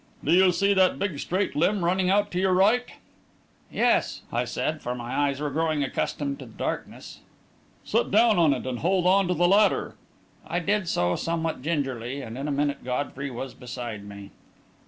"Do you see that big straight limb running out to your right?" "Yes," I said, for my eyes were growing accustomed to the darkness. "Sit down on it, and hold on to the ladder." I did so somewhat gingerly, and in a minute Godfrey was beside me.